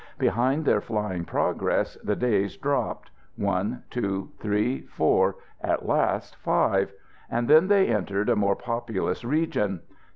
Behind their flying progress the days dropped one, two, three, four, at last five; and then they entered a more populous region.